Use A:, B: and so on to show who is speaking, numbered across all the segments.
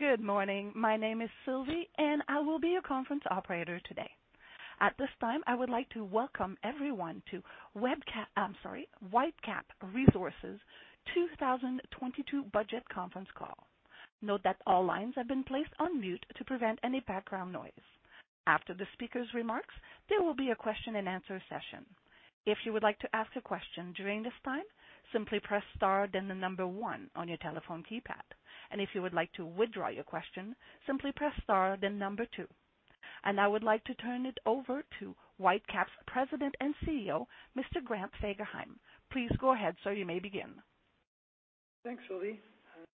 A: Good morning. My name is Sylvie, and I will be your conference operator today. At this time, I would like to welcome everyone to Whitecap, I'm sorry, Whitecap Resources 2022 Budget Conference Call. Note that all lines have been placed on mute to prevent any background noise. After the speaker's remarks, there will be a question-and-answer session. If you would like to ask a question during this time, simply press star then the number one on your telephone keypad, and if you would like to withdraw your question, simply press star then number two. And I would like to turn it over to Whitecap's President and CEO, Mr. Grant Fagerheim. Please go ahead, sir, you may begin.
B: Thanks, Sylvie.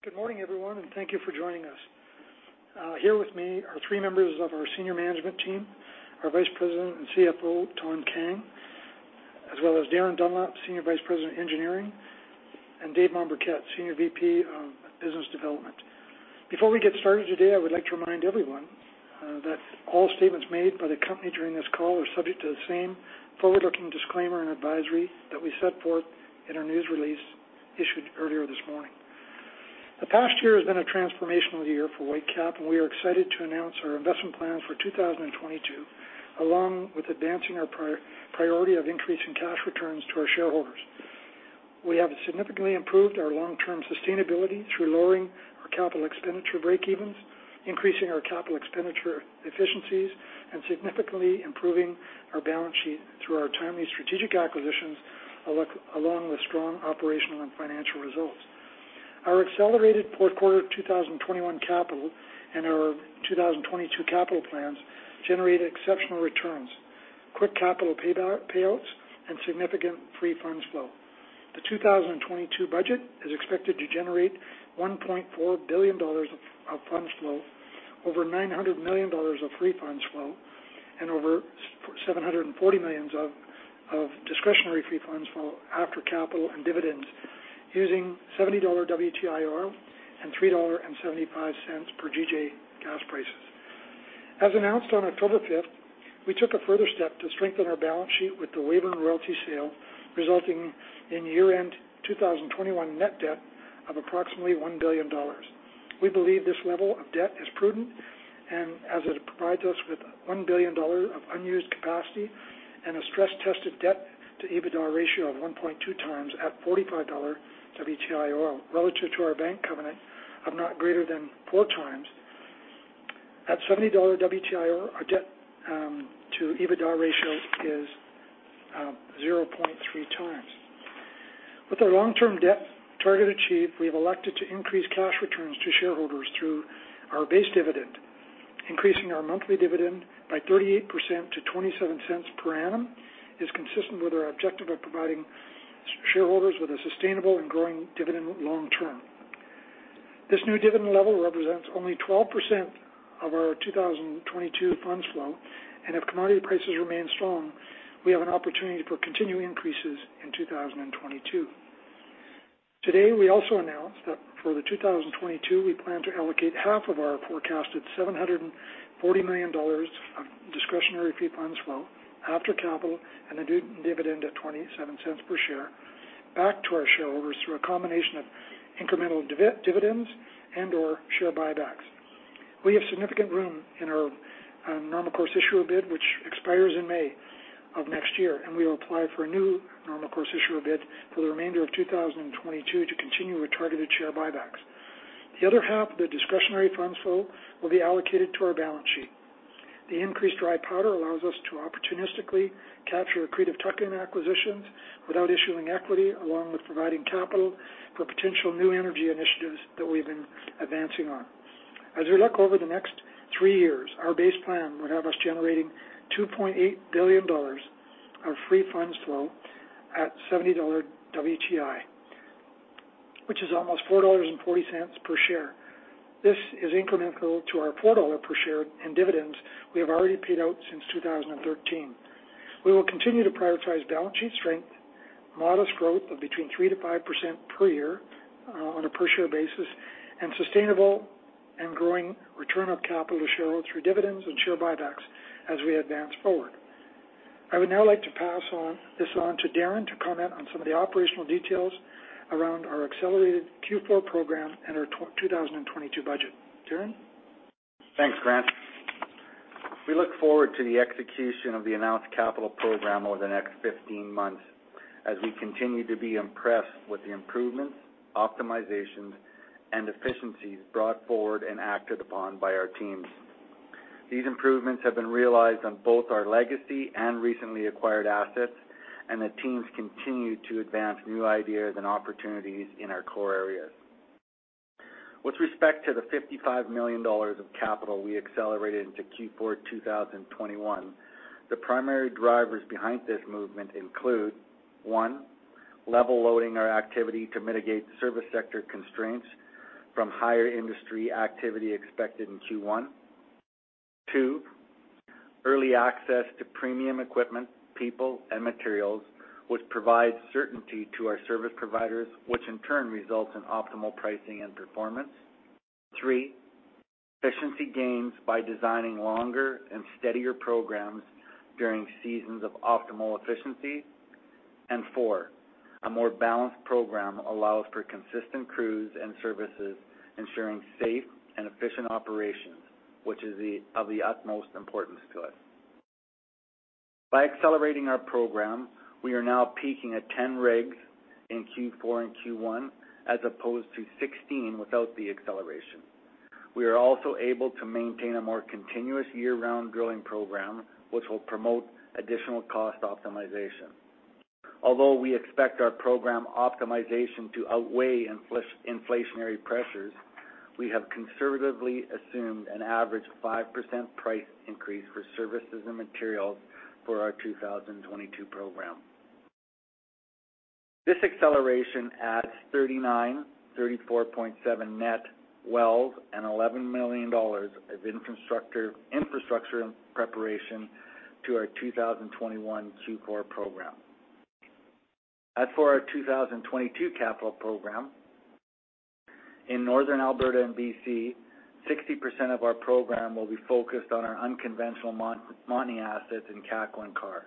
B: Good morning, everyone, and thank you for joining us. Here with me are three members of our senior management team: our Vice President and CFO, Thanh Kang, as well as Darin Dunlop, Senior Vice President of Engineering, and Dave Mombourquette, Senior VP of Business Development. Before we get started today, I would like to remind everyone that all statements made by the company during this call are subject to the same forward-looking disclaimer and advisory that we set forth in our news release issued earlier this morning. The past year has been a transformational year for Whitecap, and we are excited to announce our investment plans for 2022, along with advancing our priority of increasing cash returns to our shareholders. We have significantly improved our long-term sustainability through lowering our capital expenditure breakevens, increasing our capital expenditure efficiencies, and significantly improving our balance sheet through our timely strategic acquisitions, along with strong operational and financial results. Our accelerated fourth quarter 2021 capital and our 2022 capital plans generated exceptional returns, quick capital payouts, and significant free funds flow. The 2022 budget is expected to generate 1.4 billion dollars of funds flow, over 900 million dollars of free funds flow, and over 740 million of discretionary free funds flow after capital and dividends, using $70 WTI and 3.75 per GJ gas prices. As announced on October 5th, we took a further step to strengthen our balance sheet with the waiver and royalty sale, resulting in year-end 2021 net debt of approximately 1 billion dollars. We believe this level of debt is prudent, and as it provides us with 1 billion dollars of unused capacity and a stress-tested debt-to-EBITDA ratio of 1.2 times at $45 WTI, relative to our bank covenant of not greater than four times, at $70 WTI, our debt-to-EBITDA ratio is 0.3 times. With our long-term debt target achieved, we have elected to increase cash returns to shareholders through our base dividend. Increasing our monthly dividend by 38% to 0.27 per annum is consistent with our objective of providing shareholders with a sustainable and growing dividend long-term. This new dividend level represents only 12% of our 2022 funds flow, and if commodity prices remain strong, we have an opportunity for continued increases in 2022. Today, we also announced that for 2022, we plan to allocate half of our forecasted 740 million dollars of discretionary free funds flow after capital and a dividend at 0.27 per share back to our shareholders through a combination of incremental dividends and/or share buybacks. We have significant room in our normal course issuer bid, which expires in May of next year, and we will apply for a new normal course issuer bid for the remainder of 2022 to continue with targeted share buybacks. The other half of the discretionary funds flow will be allocated to our balance sheet. The increased dry powder allows us to opportunistically capture accretive tuck-in acquisitions without issuing equity, along with providing capital for potential new energy initiatives that we've been advancing on. As we look over the next three years, our base plan would have us generating 2.8 billion dollars of free funds flow at $70 WTI, which is almost 4.40 dollars per share. This is incremental to our 4 dollar per share in dividends we have already paid out since 2013. We will continue to prioritize balance sheet strength, modest growth of between 3%-5% per year on a per-share basis, and sustainable and growing return of capital to shareholders through dividends and share buybacks as we advance forward. I would now like to pass this on to Darin to comment on some of the operational details around our accelerated Q4 program and our 2022 budget. Darin?
C: Thanks, Grant. We look forward to the execution of the announced capital program over the next 15 months as we continue to be impressed with the improvements, optimizations, and efficiencies brought forward and acted upon by our teams. These improvements have been realized on both our legacy and recently acquired assets, and the teams continue to advance new ideas and opportunities in our core areas. With respect to the 55 million dollars of capital we accelerated into Q4 2021, the primary drivers behind this movement include: one, level loading our activity to mitigate service sector constraints from higher industry activity expected in Q1. Two, early access to premium equipment, people, and materials, which provides certainty to our service providers, which in turn results in optimal pricing and performance. Three, efficiency gains by designing longer and steadier programs during seasons of optimal efficiency. And four, a more balanced program allows for consistent crews and services, ensuring safe and efficient operations, which is of the utmost importance to us. By accelerating our program, we are now peaking at 10 rigs in Q4 and Q1 as opposed to 16 without the acceleration. We are also able to maintain a more continuous year-round drilling program, which will promote additional cost optimization. Although we expect our program optimization to outweigh inflationary pressures, we have conservatively assumed an average 5% price increase for services and materials for our 2022 program. This acceleration adds 39 (34.7 net) wells and 11 million dollars of infrastructure preparation to our 2021 Q4 program. As for our 2022 capital program, in Northern Alberta and BC, 60% of our program will be focused on our unconventional Montney assets in Kakwa Karr.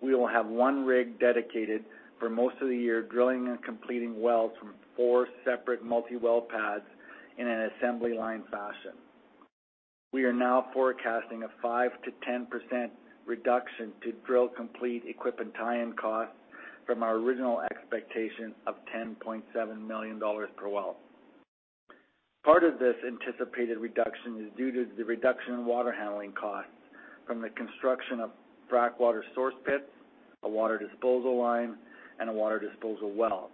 C: We will have one rig dedicated for most of the year drilling and completing wells from four separate multi-well pads in an assembly line fashion. We are now forecasting a 5%-10% reduction to drill-complete equipment tie-in costs from our original expectation of 10.7 million dollars per well. Part of this anticipated reduction is due to the reduction in water handling costs from the construction of frac water source pits, a water disposal line, and a water disposal well.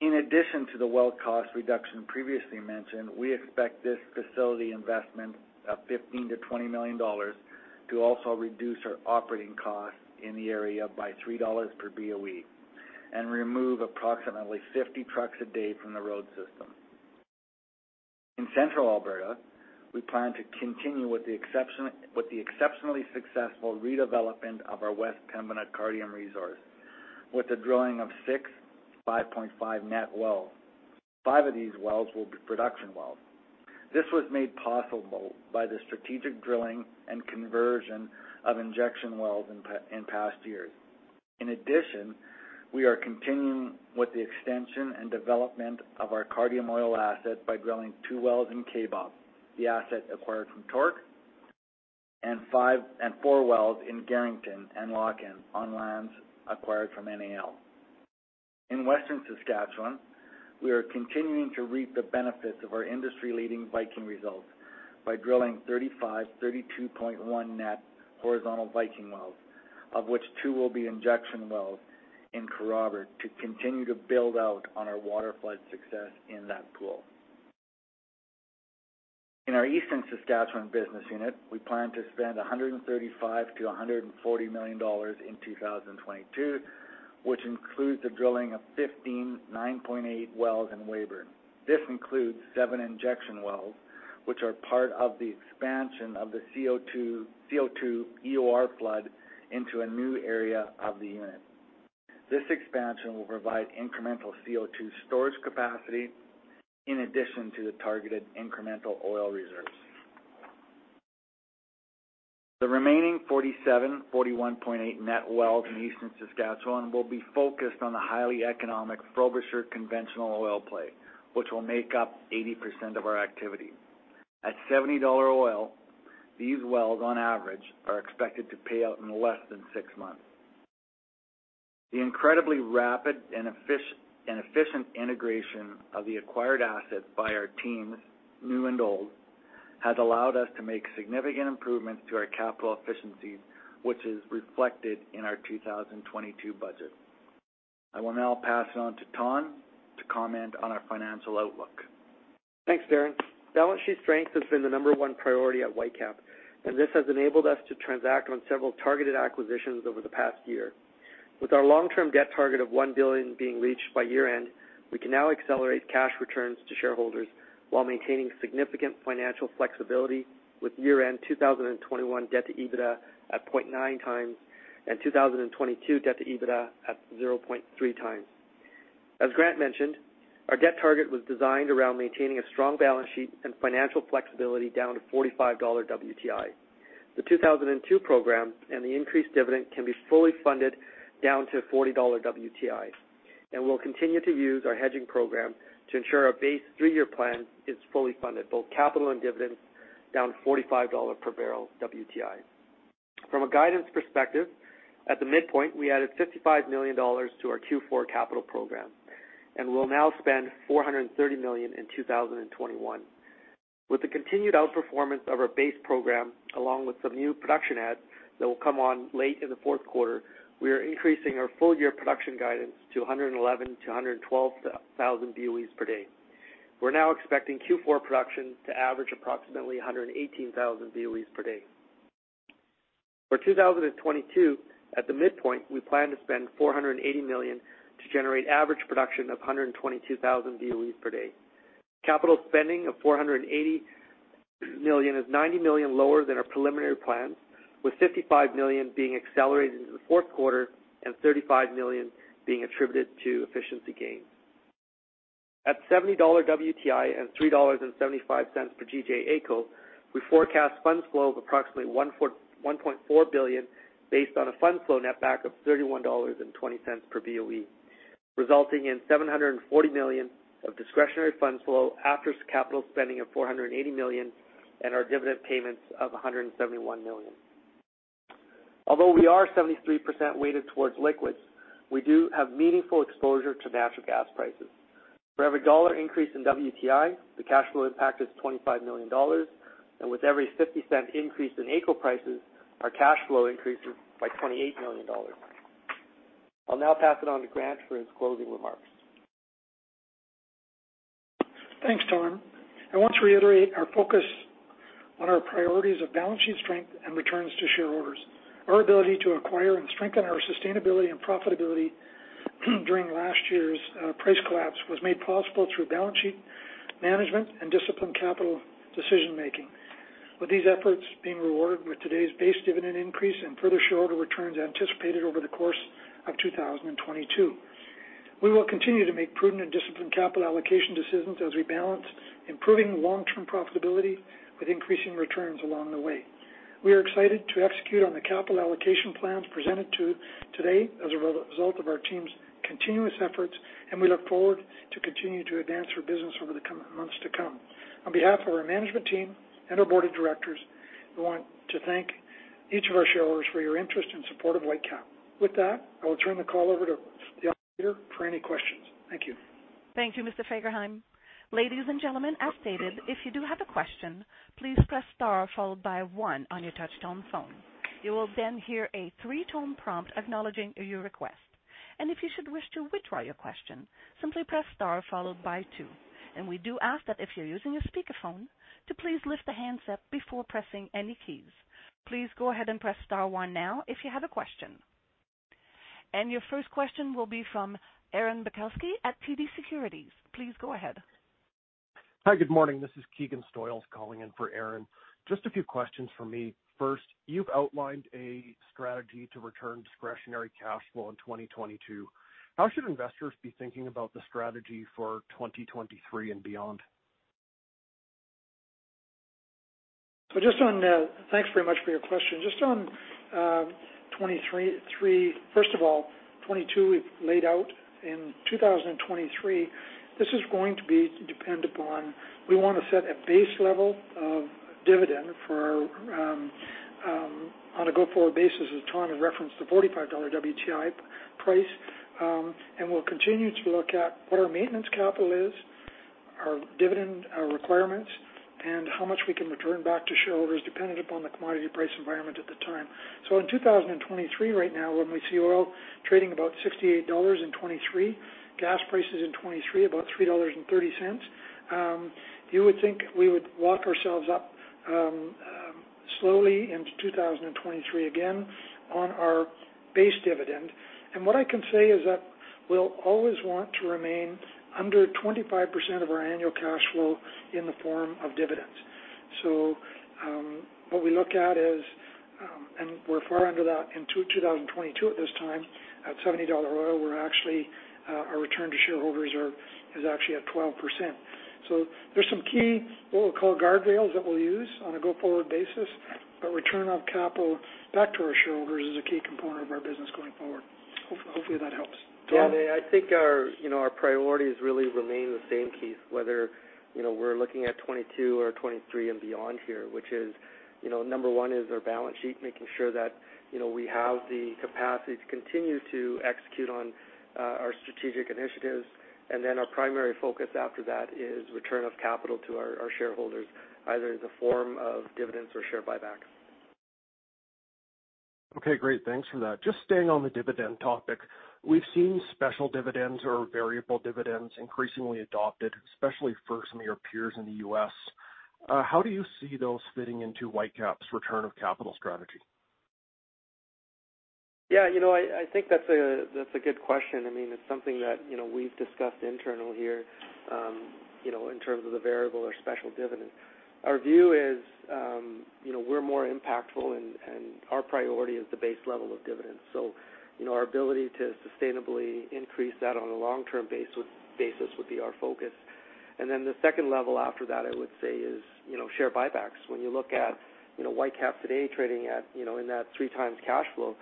C: In addition to the well cost reduction previously mentioned, we expect this facility investment of 15 million-20 million dollars to also reduce our operating costs in the area by 3 dollars per BOE and remove approximately 50 trucks a day from the road system. In Central Alberta, we plan to continue with the exceptionally successful redevelopment of our West Pembina Cardium resource with the drilling of 6 (5.5 net) wells. Five of these wells will be production wells. This was made possible by the strategic drilling and conversion of injection wells in past years. In addition, we are continuing with the extension and development of our Cardium oil asset by drilling two wells in Kaybob, the asset acquired from TORC, and four wells in Garrington and Larkin on lands acquired from NAL. In Western Saskatchewan, we are continuing to reap the benefits of our industry-leading Viking results by drilling 35 (32.1 net) horizontal Viking wells, of which two will be injection wells in Kerrobert to continue to build out on our water flood success in that pool. In our Eastern Saskatchewan business unit, we plan to spend 135 million-140 million dollars in 2022, which includes the drilling of 15 (9.8) wells in Weyburn. This includes seven injection wells, which are part of the expansion of the CO2 EOR flood into a new area of the unit. This expansion will provide incremental CO2 storage capacity in addition to the targeted incremental oil reserves. The remaining 47 (41.8 net) wells in Eastern Saskatchewan will be focused on the highly economic Frobisher conventional oil play, which will make up 80% of our activity. At $70 oil, these wells on average are expected to pay out in less than six months. The incredibly rapid and efficient integration of the acquired assets by our teams, new and old, has allowed us to make significant improvements to our capital efficiencies, which is reflected in our 2022 budget. I will now pass it on to Thanh to comment on our financial outlook.
D: Thanks, Darin. Balance sheet strength has been the number one priority at Whitecap, and this has enabled us to transact on several targeted acquisitions over the past year. With our long-term debt target of 1 billion being reached by year-end, we can now accelerate cash returns to shareholders while maintaining significant financial flexibility with year-end 2021 debt-to-EBITDA at 0.9 times and 2022 debt-to-EBITDA at 0.3 times. As Grant mentioned, our debt target was designed around maintaining a strong balance sheet and financial flexibility down to $45 WTI. The 2022 program and the increased dividend can be fully funded down to $40 WTI, and we'll continue to use our hedging program to ensure our base three-year plan is fully funded, both capital and dividends, down to $45 per barrel WTI. From a guidance perspective, at the midpoint, we added 55 million dollars to our Q4 capital program and will now spend 430 million in 2021. With the continued outperformance of our base program, along with some new production adds that will come on late in the fourth quarter, we are increasing our full-year production guidance to 111,000 to 112,000 BOEs per day. We're now expecting Q4 production to average approximately 118,000 BOEs per day. For 2022, at the midpoint, we plan to spend 480 million to generate average production of 122,000 BOEs per day. Capital spending of 480 million is 90 million lower than our preliminary plans, with 55 million being accelerated into the fourth quarter and 35 million being attributed to efficiency gains. At $70 WTI and 3.75 dollars per GJ AECO, we forecast funds flow of approximately 1.4 billion based on a funds flow netback of 31.20 dollars per BOE, resulting in 740 million of discretionary funds flow after capital spending of 480 million and our dividend payments of 171 million. Although we are 73% weighted towards liquids, we do have meaningful exposure to natural gas prices. For every dollar increase in WTI, the cash flow impact is 25 million dollars, and with every 0.50 increase in AECO prices, our cash flow increases by 28 million dollars. I'll now pass it on to Grant for his closing remarks.
B: Thanks, Thanh. I want to reiterate our focus on our priorities of balance sheet strength and returns to shareholders. Our ability to acquire and strengthen our sustainability and profitability during last year's price collapse was made possible through balance sheet management and disciplined capital decision-making, with these efforts being rewarded with today's base dividend increase and further shareholder returns anticipated over the course of 2022. We will continue to make prudent and disciplined capital allocation decisions as we balance improving long-term profitability with increasing returns along the way. We are excited to execute on the capital allocation plans presented to you today as a result of our team's continuous efforts, and we look forward to continuing to advance our business over the coming months to come. On behalf of our management team and our board of directors, we want to thank each of our shareholders for your interest and support of Whitecap. With that, I will turn the call over to the operator for any questions. Thank you.
A: Thank you, Mr. Fagerheim. Ladies and gentlemen, as stated, if you do have a question, please press star followed by one on your touch-tone phone. You will then hear a three-tone prompt acknowledging your request. And if you should wish to withdraw your question, simply press star followed by two. And we do ask that if you're using a speakerphone, to please lift the handset before pressing any keys. Please go ahead and press star one now if you have a question. And your first question will be from Aaron Bilkoski at TD Securities. Please go ahead.
E: Hi, good morning. This is Keegan Stoyles calling in for Aaron. Just a few questions for me. First, you've outlined a strategy to return discretionary cash flow in 2022. How should investors be thinking about the strategy for 2023 and beyond?
B: Thanks very much for your question. Just on 2023, first of all, 2022 we've laid out. In 2023, this is going to depend upon we want to set a base level of dividend on a go-forward basis. Thanh referenced the $45 WTI price, and we'll continue to look at what our maintenance capital is, our dividend requirements, and how much we can return back to shareholders dependent upon the commodity price environment at the time. So in 2023, right now, when we see oil trading about $68 in 2023, gas prices in 2023 about 3.30 dollars, you would think we would lock ourselves up slowly into 2023 again on our base dividend. And what I can say is that we'll always want to remain under 25% of our annual cash flow in the form of dividends. So what we look at is, and we're far under that in 2022 at this time, at $70 oil, our return to shareholders is actually at 12%. So there's some key what we'll call guardrails that we'll use on a go-forward basis, but return of capital back to our shareholders is a key component of our business going forward. Hopefully, that helps.
D: Yeah, I think our priorities really remain the same, Keegan, whether we're looking at 2022 or 2023 and beyond here, which is number one is our balance sheet, making sure that we have the capacity to continue to execute on our strategic initiatives, and then our primary focus after that is return of capital to our shareholders, either in the form of dividends or share buybacks.
E: Okay, great. Thanks for that. Just staying on the dividend topic, we've seen special dividends or variable dividends increasingly adopted, especially for some of your peers in the US. How do you see those fitting into Whitecap's return of capital strategy?
D: Yeah, I think that's a good question. I mean, it's something that we've discussed internally here in terms of the variable or special dividend. Our view is we're more impactful, and our priority is the base level of dividends. So our ability to sustainably increase that on a long-term basis would be our focus. And then the second level after that, I would say, is share buybacks. When you look at Whitecap today trading in that three times cash flow,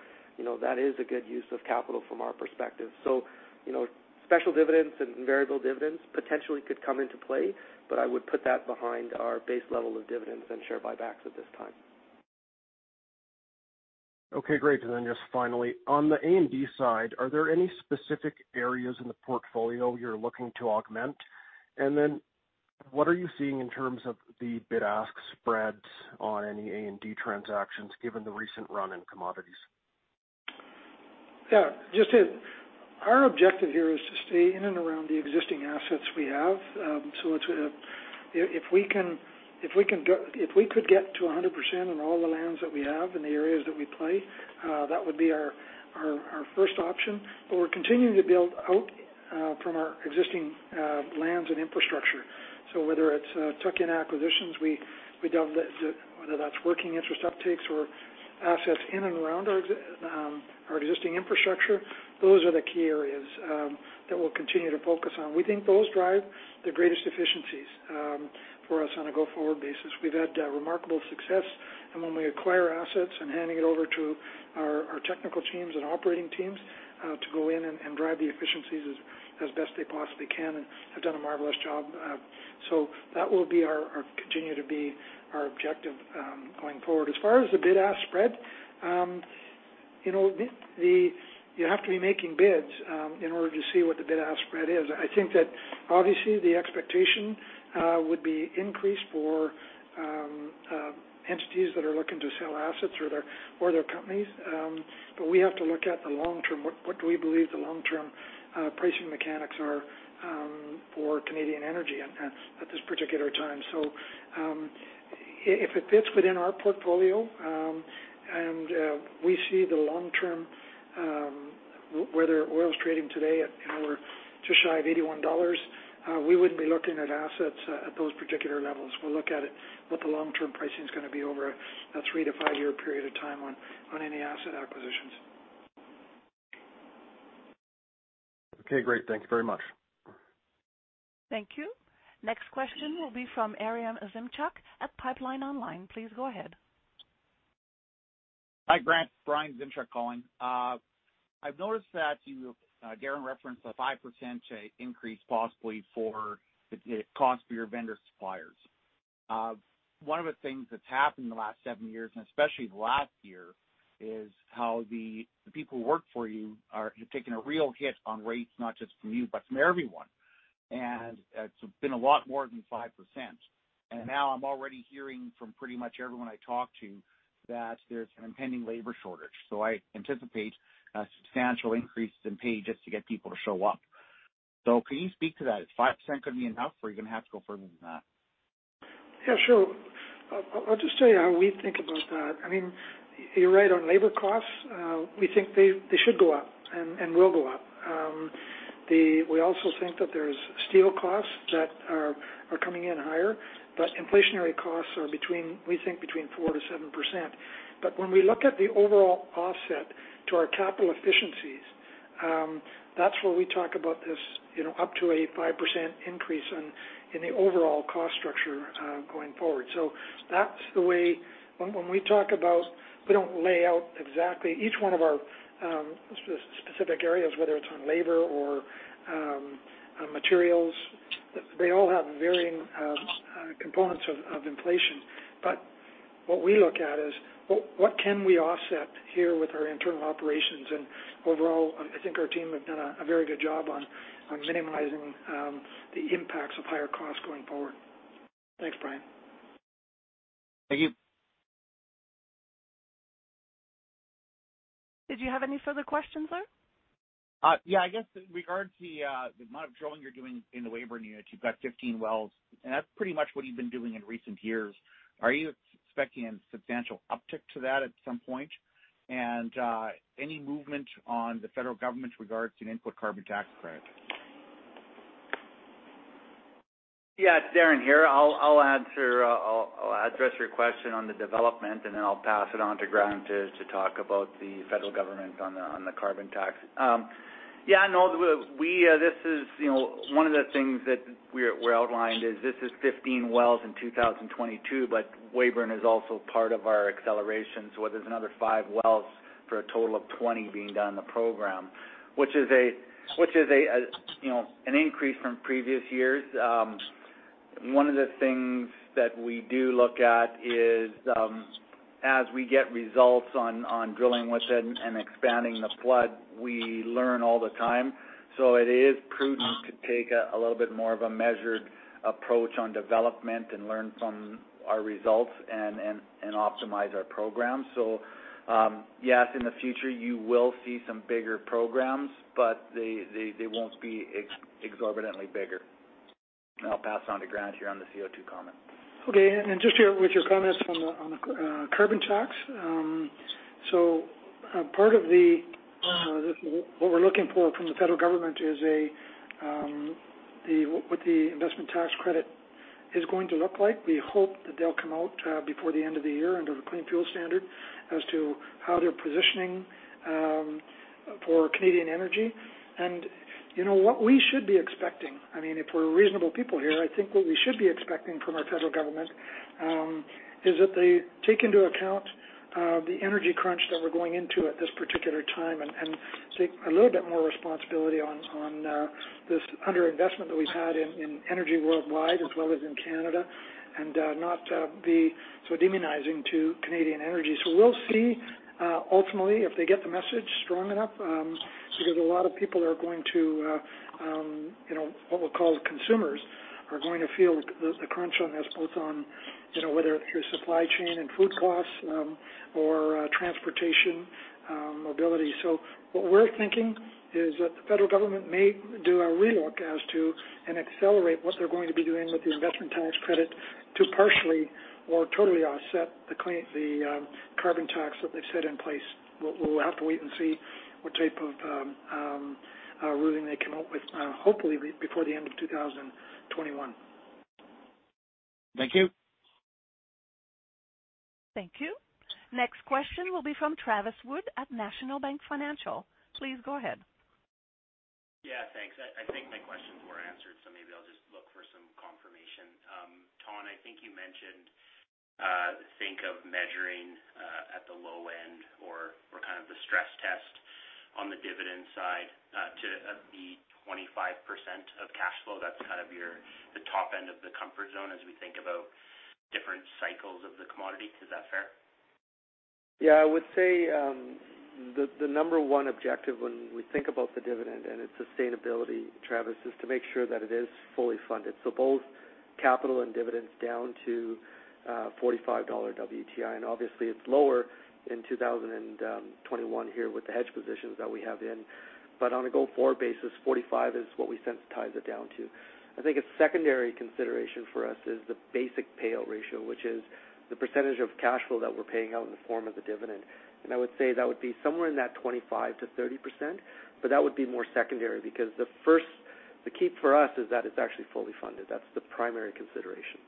D: that is a good use of capital from our perspective. So special dividends and variable dividends potentially could come into play, but I would put that behind our base level of dividends and share buybacks at this time.
E: Okay, great. And then just finally, on the A&D side, are there any specific areas in the portfolio you're looking to augment? And then what are you seeing in terms of the bid-ask spreads on any A&D transactions given the recent run in commodities?
B: Yeah, just our objective here is to stay in and around the existing assets we have. So if we could get to 100% on all the lands that we have in the areas that we play, that would be our first option. But we're continuing to build out from our existing lands and infrastructure. So whether it's tuck in acquisitions, whether that's working interest uptakes or assets in and around our existing infrastructure, those are the key areas that we'll continue to focus on. We think those drive the greatest efficiencies for us on a go-forward basis. We've had remarkable success, and when we acquire assets and hand it over to our technical teams and operating teams to go in and drive the efficiencies as best they possibly can, and have done a marvelous job. So that will continue to be our objective going forward. As far as the bid-ask spread, you have to be making bids in order to see what the bid-ask spread is. I think that obviously the expectation would be increased for entities that are looking to sell assets or their companies, but we have to look at the long term. What do we believe the long-term pricing mechanics are for Canadian energy at this particular time? So if it fits within our portfolio and we see the long term, whether oil is trading today at just shy of $81, we wouldn't be looking at assets at those particular levels. We'll look at what the long-term pricing is going to be over a three- to five-year period of time on any asset acquisitions.
E: Okay, great. Thank you very much.
A: Thank you. Next question will be from Brian Zinchuk at Pipeline Online. Please go ahead.
F: Hi, Grant. Brian Zinchuk calling. I've noticed that you referenced a 5% increase possibly for the cost for your vendor suppliers. One of the things that's happened in the last seven years, and especially the last year, is how the people who work for you have taken a real hit on rates, not just from you, but from everyone. And it's been a lot more than 5%. And now I'm already hearing from pretty much everyone I talk to that there's an impending labor shortage. So I anticipate a substantial increase in pay just to get people to show up. So can you speak to that? Is 5% going to be enough, or are you going to have to go further than that?
B: Yeah, sure. I'll just tell you how we think about that. I mean, you're right on labor costs. We think they should go up and will go up. We also think that there's steel costs that are coming in higher, but inflationary costs are, we think, between 4%-7%. But when we look at the overall offset to our capital efficiencies, that's where we talk about this up to a 5% increase in the overall cost structure going forward. So that's the way when we talk about we don't lay out exactly each one of our specific areas, whether it's on labor or materials, they all have varying components of inflation. But what we look at is what can we offset here with our internal operations. And overall, I think our team has done a very good job on minimizing the impacts of higher costs going forward. Thanks, Brian.
F: Thank you.
A: Did you have any further questions, sir?
F: Yeah, I guess in regard to the amount of drilling you're doing in the Weyburn unit, you've got 15 wells, and that's pretty much what you've been doing in recent years. Are you expecting a substantial uptick to that at some point? And any movement on the federal government's regards to an investment tax credit?
C: Yeah, Darin here. I'll address your question on the development, and then I'll pass it on to Grant to talk about the federal government on the carbon tax. Yeah, no, this is one of the things that we're outlined is this is 15 wells in 2022, but Weyburn is also part of our acceleration. So there's another five wells for a total of 20 being done in the program, which is an increase from previous years. One of the things that we do look at is as we get results on drilling within and expanding the flood, we learn all the time. So it is prudent to take a little bit more of a measured approach on development and learn from our results and optimize our program. So yes, in the future, you will see some bigger programs, but they won't be exorbitantly bigger. I'll pass it on to Grant here on the CO2 comment.
B: Okay, and just here with your comments on the carbon tax. So part of what we're looking for from the federal government is what the investment tax credit is going to look like. We hope that they'll come out before the end of the year under the Clean Fuel Standard as to how they're positioning for Canadian energy. And what we should be expecting, I mean, if we're reasonable people here, I think what we should be expecting from our federal government is that they take into account the energy crunch that we're going into at this particular time and take a little bit more responsibility on this underinvestment that we've had in energy worldwide as well as in Canada and not be so demonizing to Canadian energy. So we'll see ultimately if they get the message strong enough because a lot of people are going to, what we'll call consumers, are going to feel the crunch on this, both on whether it's your supply chain and food costs or transportation mobility. So what we're thinking is that the federal government may do a relook as to and accelerate what they're going to be doing with the investment tax credit to partially or totally offset the carbon tax that they've set in place. We'll have to wait and see what type of ruling they come up with, hopefully before the end of 2021.
F: Thank you.
A: Thank you. Next question will be from Travis Wood at National Bank Financial. Please go ahead.
G: Yeah, thanks. I think my questions were answered, so maybe I'll just look for some confirmation. Thanh, I think you mentioned think of measuring at the low end or kind of the stress test on the dividend side to be 25% of cash flow. That's kind of the top end of the comfort zone as we think about different cycles of the commodity. Is that fair?
D: Yeah, I would say the number one objective when we think about the dividend and its sustainability, Travis, is to make sure that it is fully funded. So both capital and dividends down to $45 WTI. And obviously, it's lower in 2021 here with the hedge positions that we have in. But on a go-forward basis, 45 is what we sensitize it down to. I think a secondary consideration for us is the basic payout ratio, which is the percentage of cash flow that we're paying out in the form of the dividend. And I would say that would be somewhere in that 25%-30%, but that would be more secondary because the key for us is that it's actually fully funded. That's the primary consideration.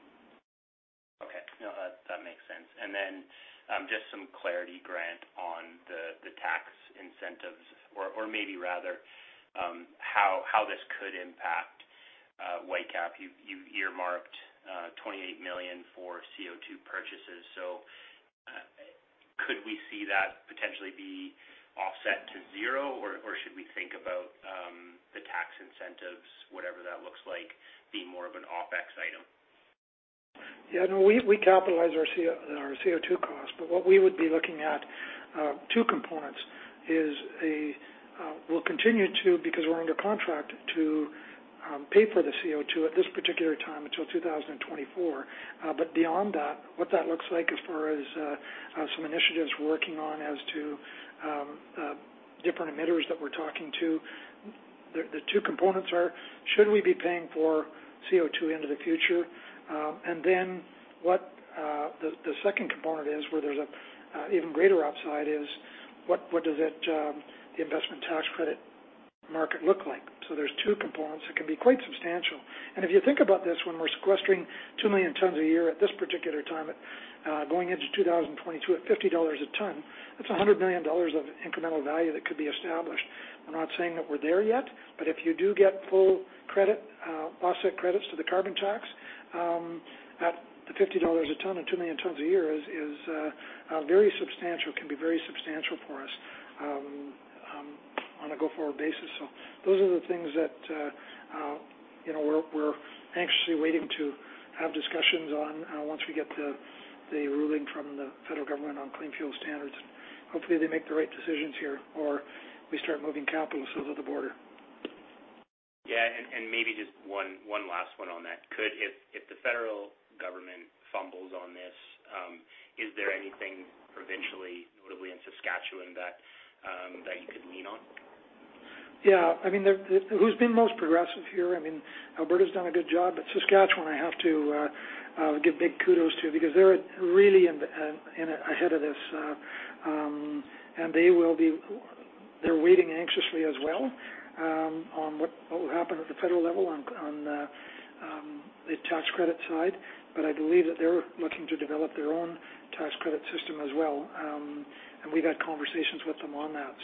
G: Okay. No, that makes sense, and then just some clarity, Grant, on the tax incentives, or maybe rather how this could impact Whitecap. You've earmarked 28 million for CO2 purchases, so could we see that potentially be offset to zero, or should we think about the tax incentives, whatever that looks like, being more of an OpEx item?
B: Yeah, no, we capitalize our CO2 costs, but what we would be looking at, two components, is we'll continue to, because we're under contract, to pay for the CO2 at this particular time until 2024. But beyond that, what that looks like as far as some initiatives we're working on as to different emitters that we're talking to, the two components are should we be paying for CO2 into the future? And then the second component is where there's an even greater upside is what does the investment tax credit market look like? So there's two components that can be quite substantial. And if you think about this, when we're sequestering 2 million tons a year at this particular time, going into 2022 at CAD 50 a ton, that's 100 million dollars of incremental value that could be established. We're not saying that we're there yet, but if you do get full offset credits to the carbon tax, the 50 dollars a ton and 2 million tons a year can be very substantial for us on a go-forward basis. So those are the things that we're anxiously waiting to have discussions on once we get the ruling from the federal government on Clean Fuel Standards. Hopefully, they make the right decisions here or we start moving capital so that the border.
G: Yeah, and maybe just one last one on that. If the federal government fumbles on this, is there anything provincially, notably in Saskatchewan, that you could lean on?
B: Yeah, I mean, who's been most progressive here? I mean, Alberta's done a good job, but Saskatchewan, I have to give big kudos to because they're really ahead of this, and they're waiting anxiously as well on what will happen at the federal level on the tax credit side, but I believe that they're looking to develop their own tax credit system as well, and we've had conversations with them on that,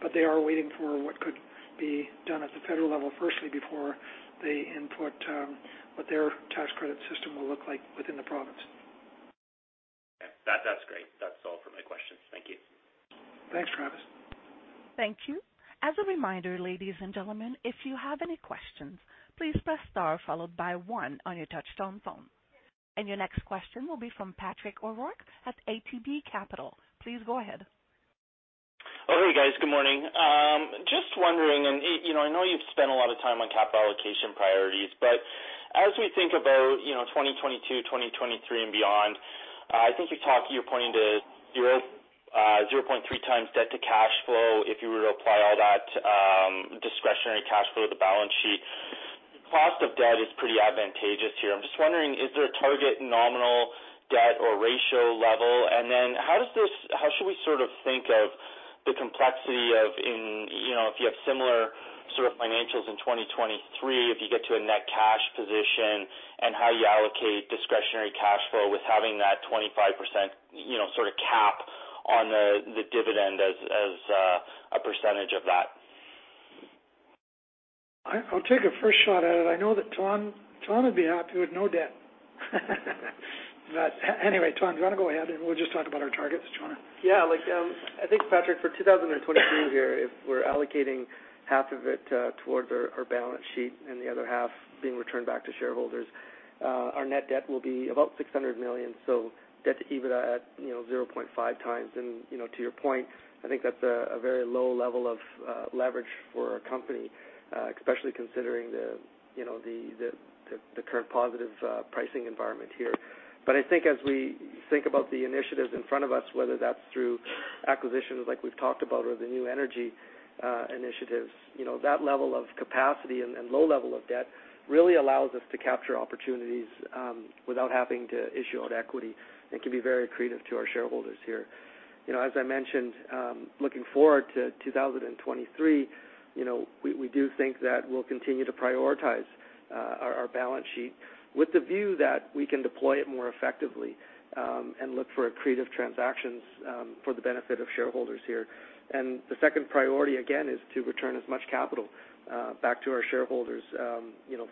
B: but they are waiting for what could be done at the federal level firstly before they input what their tax credit system will look like within the province.
G: That's great. That's all for my questions. Thank you.
B: Thanks, Travis.
A: Thank you. As a reminder, ladies and gentlemen, if you have any questions, please press star followed by one on your touch-tone phone. And your next question will be from Patrick O'Rourke at ATB Capital. Please go ahead.
H: Oh, hey, guys. Good morning. Just wondering, and I know you've spent a lot of time on capital allocation priorities, but as we think about 2022, 2023, and beyond, I think you're pointing to 0.3 times debt to cash flow if you were to apply all that discretionary cash flow to the balance sheet. The cost of debt is pretty advantageous here. I'm just wondering, is there a target nominal debt or ratio level? And then how should we sort of think of the complexity of if you have similar sort of financials in 2023, if you get to a net cash position and how you allocate discretionary cash flow with having that 25% sort of cap on the dividend as a percentage of that?
B: I'll take a first shot at it. I know that Thanh would be happy with no debt. But anyway, Thanh, do you want to go ahead and we'll just talk about our targets, do you want to?
D: Yeah. I think, Patrick, for 2023 here, if we're allocating half of it towards our balance sheet and the other half being returned back to shareholders, our net debt will be about 600 million. So debt to EBITDA at 0.5 times. And to your point, I think that's a very low level of leverage for our company, especially considering the current positive pricing environment here. But I think as we think about the initiatives in front of us, whether that's through acquisitions like we've talked about or the new energy initiatives, that level of capacity and low level of debt really allows us to capture opportunities without having to issue out equity and can be very creative to our shareholders here. As I mentioned, looking forward to 2023, we do think that we'll continue to prioritize our balance sheet with the view that we can deploy it more effectively and look for creative transactions for the benefit of shareholders here. And the second priority, again, is to return as much capital back to our shareholders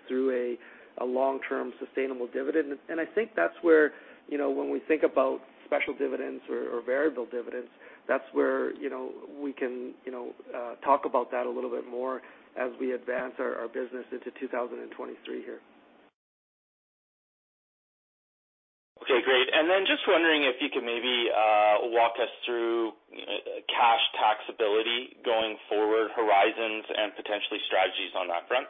D: through a long-term sustainable dividend. And I think that's where when we think about special dividends or variable dividends, that's where we can talk about that a little bit more as we advance our business into 2023 here.
H: Okay, great. And then just wondering if you could maybe walk us through cash taxability going forward, horizons, and potentially strategies on that front?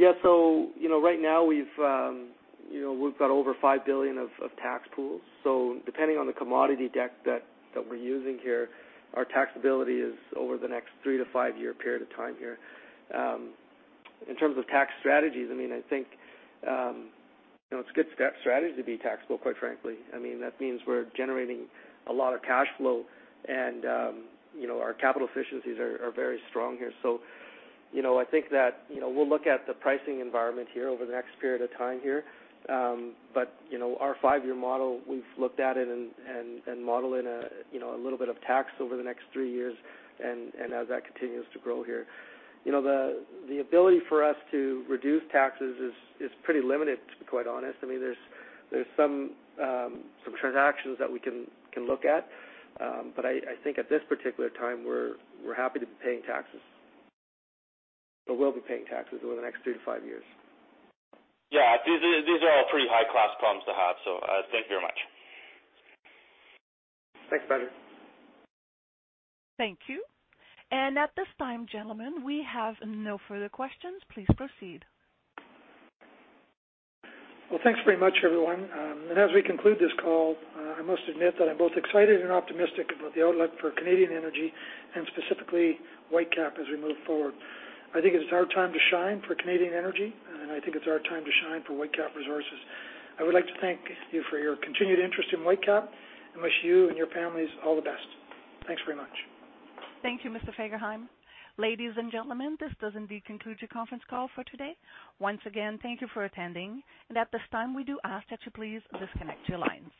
D: Yeah, so right now we've got over 5 billion of tax pools. So depending on the commodity debt that we're using here, our taxability is over the next three-to-five-year period of time here. In terms of tax strategies, I mean, I think it's a good strategy to be taxable, quite frankly. I mean, that means we're generating a lot of cash flow and our capital efficiencies are very strong here. So I think that we'll look at the pricing environment here over the next period of time here. But our five-year model, we've looked at it and modeled in a little bit of tax over the next three years and as that continues to grow here. The ability for us to reduce taxes is pretty limited, to be quite honest. I mean, there's some transactions that we can look at, but I think at this particular time, we're happy to be paying taxes or will be paying taxes over the next three to five years.
H: Yeah, these are all pretty high-class problems to have. So thank you very much.
D: Thanks, Patrick.
A: Thank you. And at this time, gentlemen, we have no further questions. Please proceed.
B: Well, thanks very much, everyone. And as we conclude this call, I must admit that I'm both excited and optimistic about the outlook for Canadian energy and specifically Whitecap as we move forward. I think it's our time to shine for Canadian energy, and I think it's our time to shine for Whitecap Resources. I would like to thank you for your continued interest in Whitecap. I wish you and your families all the best. Thanks very much.
A: Thank you, Mr. Fagerheim. Ladies and gentlemen, this does indeed conclude your conference call for today. Once again, thank you for attending. And at this time, we do ask that you please disconnect your lines.